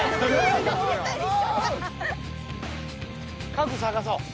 家具探そう。